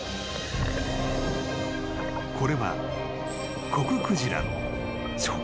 ［これは］